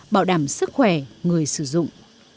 bảo đảm sức khỏe người sử dụng